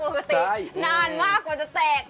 โปรกตินานมากกว่าจะแจกเนี่ย